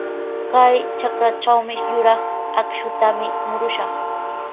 Kay trakratrawqa yuraq akshutami murushaq.